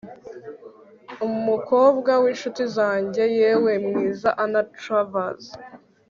Umukobwa winshuti zanjye yewe mwiza Anna Travers